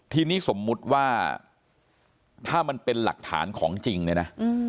ทีนี้สมมุติว่าถ้ามันเป็นหลักฐานของจริงเนี่ยนะ